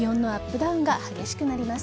ダウンが激しくなります。